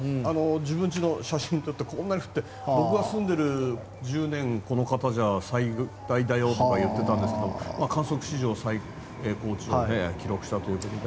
自分ちの写真を撮ってこんなに降って僕が住んでる１０年この方じゃ最大だよと言っていたんですが観測史上最大を記録したということで。